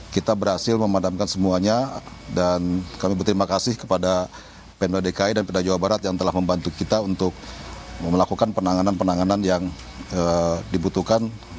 kita berhasil memadamkan semuanya dan kami berterima kasih kepada pendo dki dan penda jawa barat yang telah membantu kita untuk melakukan penanganan penanganan yang dibutuhkan